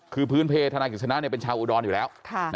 คือพื้นเพธนายกิจชนะเป็นชาวอุดรอยู่แล้ว